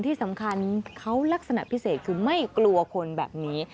ที่สำคัญเขาลักษณะพิเศษคือไม่กลัวคนแบบนี้